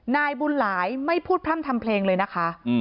นายบุญหลายไม่พูดพร่ำทำเพลงเลยนะคะ